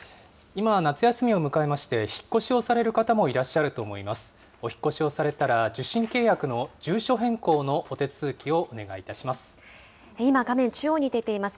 今、夏休みを迎えまして、引っ越しをされる方もいらっしゃると思います。